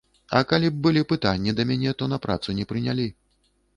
А калі былі б пытанні да мяне, то на працу не прынялі.